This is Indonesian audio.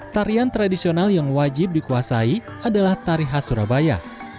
tarian tradisional yang wajib dikuasai adalah tari khas surabaya